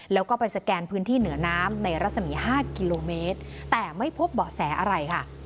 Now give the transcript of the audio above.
แล้วก็ไปสแกนพื้นที่เหนือน้ำในรัศมี๕กิโลเมตรแต่ไม่พบเบาะแสอะไรค่ะ